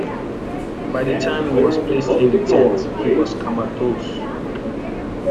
By the time he was placed in the tent, he was comatose.